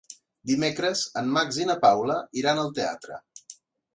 Dimecres en Max i na Paula iran al teatre.